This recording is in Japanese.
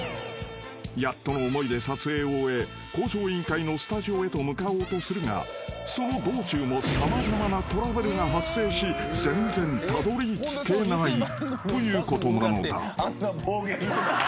［やっとの思いで撮影を終え『向上委員会』のスタジオへと向かおうとするがその道中も様々なトラブルが発生し全然たどりつけないということなのだ］